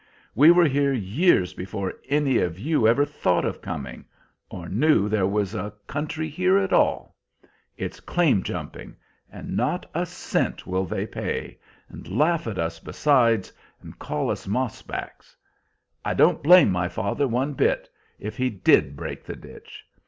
We were here years before any of you ever thought of coming, or knew there was a country here at all. It's claim jumping; and not a cent will they pay, and laugh at us besides, and call us mossbacks. I don't blame my father one bit, if he did break the ditch.